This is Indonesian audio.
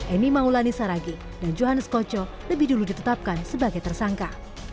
eni maulani saragi dan johannes koco lebih dulu ditetapkan sebagai tersangka